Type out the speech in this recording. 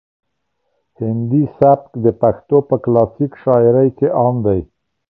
هندي سبک د پښتو په کلاسیک شاعري کې عام دی.